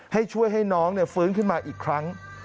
ให้ช่วยให้น้องฟื้นขึ้นมาอีกครั้ง